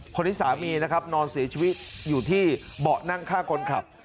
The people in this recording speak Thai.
คนนี้สามีนะครับนอนเสียชีวิตอยู่ที่เบาะนั่งข้างคนขับ